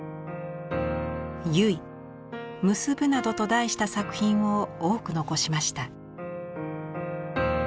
「結」「結ぶ」などと題した作品を多く残しました。